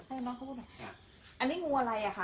อันนี้งูอะไรอ่ะคะ